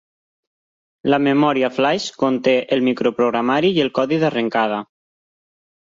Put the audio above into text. La memòria flaix conté el microprogramari i el codi d'arrencada.